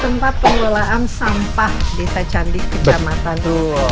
tempat pengelolaan sampah desa candi kecamatan